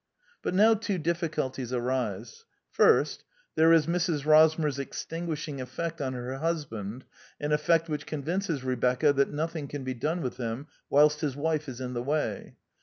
But now two difficulties arise. First, there is Mrs. Rosmer's extinguishing effect on her hus band: an effect which convinces Rebecca that nothing can be done with him whilst his wife is in the way.